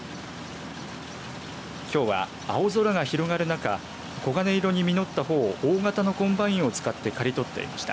きょうは青空が広がる中黄金色に実った穂を大型のコンバインを使って刈り取っていました。